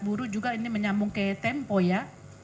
buruh juga ini menyambung ke tempo ya